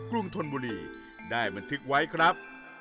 รุงธนบุรีได้บันทึกไว้ครับ